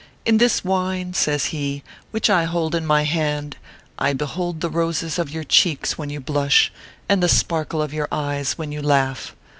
In this wine," says he, " which I hold in my hand, I behold the roses of your cheeks when you blush, and the sparkle of your eyes when you laugh.